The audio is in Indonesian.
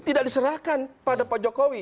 tidak diserahkan pada pak jokowi